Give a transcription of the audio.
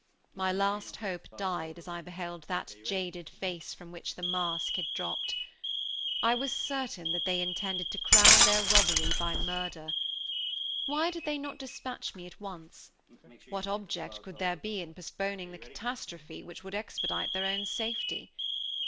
My last hope died as I beheld that jaded face from which the mask had dropped. I was certain that they intended to crown their robbery by murder. Why did they not dispatch me at once? What object could there be in postponing the catastrophe which would expedite their own safety.